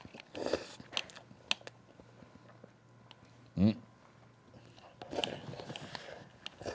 うん。